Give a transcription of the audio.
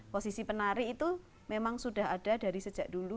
posisi penari itu memang sudah ada dari sejak dulu